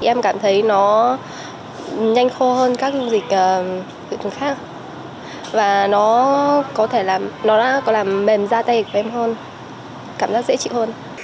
em cảm thấy nó nhanh khô hơn các dung dịch khác và nó có làm mềm da tay của em hơn cảm giác dễ chịu hơn